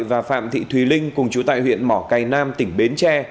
và phạm thị thùy linh cùng chú tại huyện mỏ cầy nam tỉnh bến tre